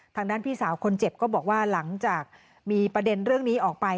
ทางด้านพี่สาวคนเจ็บก็บอกว่าหลังจากมีประเด็นเรื่องนี้ออกไป